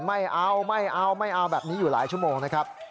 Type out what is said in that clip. ไม่เอาแบบนี้อยู่หลายชั่วโมงนะครับ